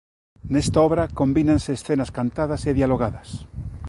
Nesta obra combínanse escenas cantadas e dialogadas.